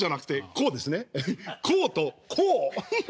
こうとこう。